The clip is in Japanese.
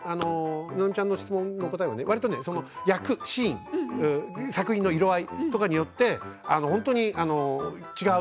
ななみちゃんの質問の答えは役やシーン、作品の色合いとかによって本当に違う。